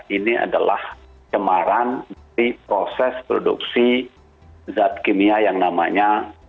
ini adalah cemaran dari proses produksi zat kimia yang namanya